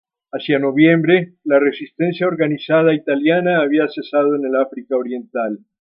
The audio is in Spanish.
Hacia noviembre, la resistencia organizada italiana había cesado en el África Oriental.